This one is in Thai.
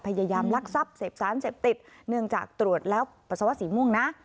พยายามลักษัพศ์เสพสารเสพติดเนื่องจากตรวจแล้วปศวรรษสีม่วงนะ